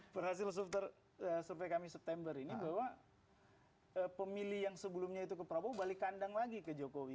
perhasil survei kami september ini bahwa pemilih yang sebelumnya itu ke prabowo balik kandang lagi ke jokowi